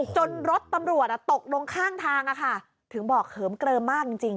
รถตำรวจตกลงข้างทางถึงบอกเหิมเกลิมมากจริง